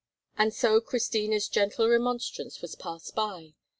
And so Christina's gentle remonstrance was passed by.